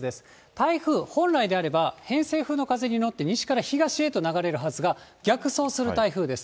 台風、本来であれば、偏西風の風に乗って、西から東へと流れるはずが、逆走する台風です。